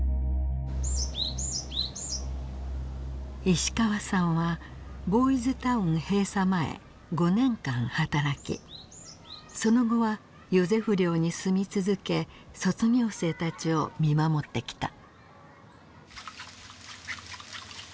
石川さんはボーイズ・タウン閉鎖前５年間働きその後はヨゼフ寮に住み続け卒業生たちを見守ってきた。